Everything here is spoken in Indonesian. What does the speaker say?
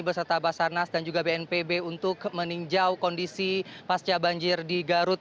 beserta basarnas dan juga bnpb untuk meninjau kondisi pasca banjir di garut